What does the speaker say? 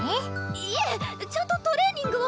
いえちゃんとトレーニングを！